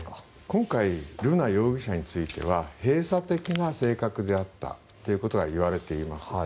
今回瑠奈容疑者については閉鎖的な性格であったということがいわれています。